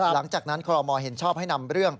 หลังจากนั้นคมเห็นชอบให้นำเรื่อง